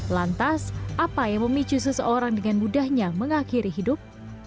lantas apa yang memicu seseorang dengan mudahnya mengakhiri hidup